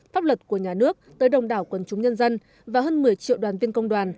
pháp luật của nhà nước tới đồng đảo quân chúng nhân dân và hơn một mươi triệu đoàn viên công đoàn